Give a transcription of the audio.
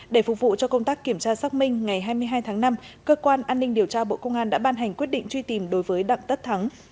để phục vụ cho công tác kiểm tra xác minh ngày hai mươi hai tháng năm cơ quan an ninh điều tra bộ công an đã ban hành quyết định truy tìm đối với đặng tất thắng